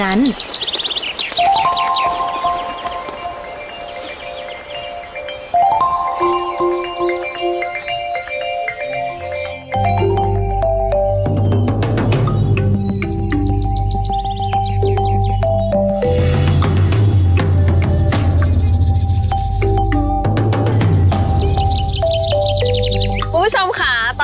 ดังข้างชะตานครบซื้อแครับ